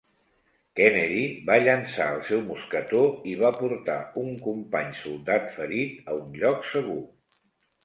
Kennedy va llençar el seu mosquetó i va portar un company soldat ferit a un lloc segur.